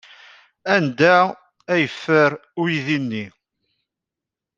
Anda ay yeffer uydi-nni.